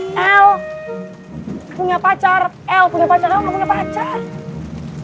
el punya pacar el punya pacar kamu gak punya pacar